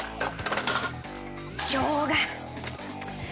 しょうが。